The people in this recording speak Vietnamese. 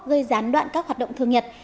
gây gián đoạn các hoạt động thường nhật